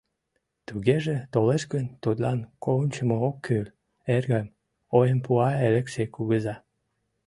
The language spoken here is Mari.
— Тугеже, толеш гын, тудлан кончымо ок кӱл, эргым, — ойым пуа Элексей кугыза.